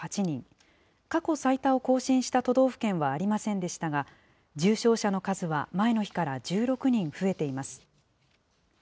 過去最多を更新した都道府県はありませんでしたが、重症者の数は前の日から１６人増えています。